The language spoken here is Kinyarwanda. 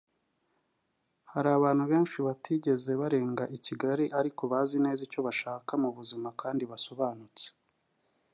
Hari abantu benshi batigeze barenga i Kigali ariko bazi neza icyo bashaka mu buzima kandi basobanutse